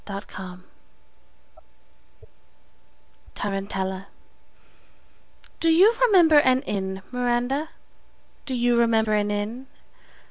Hilaire Belloc Tarantella DO you remember an Inn, Miranda? Do you remember an Inn?